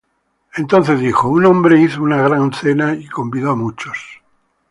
El entonces le dijo: Un hombre hizo una grande cena, y convido á muchos.